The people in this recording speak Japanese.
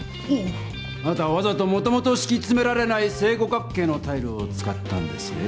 あなたはわざともともとしきつめられない正五角形のタイルを使ったんですね。